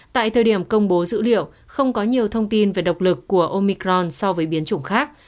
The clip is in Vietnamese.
tại thời điểm công bố dữ liệu không có nhiều thông tin về độc lực của omicron so với biến chủng khác